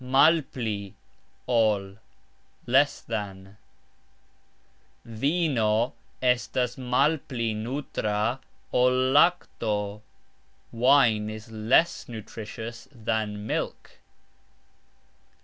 "malpli...ol", less than: "Vino estas malpli nutra ol lakto", Wine is less nutritious than milk.